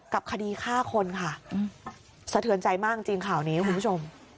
คดีฆ่าคนค่ะสะเทือนใจมากจริงข่าวนี้คุณผู้ชม